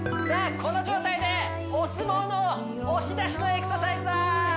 この状態でお相撲の押し出しのエクササイズだ！